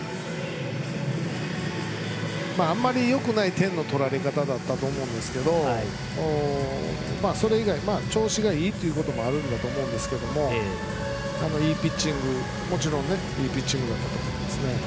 あまりよくない点の取られ方だったと思うんですけれど、それ以外調子がいいということもあるんだと思うんですけれどもちろんいいピッチングだったと思います。